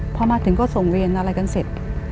พอมาถึงก็ส่งเวรอะไรกันเสร็จ